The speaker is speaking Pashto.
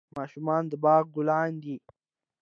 ماشومان د باغ ګلونه دي